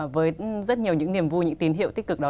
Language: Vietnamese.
với rất nhiều những niềm vui những tín hiệu tích cực đó